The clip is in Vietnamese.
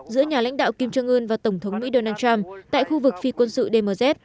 giữa nhà lãnh đạo kim jong un và tổng thống mỹ donald trump tại khu vực phi quân sự dmz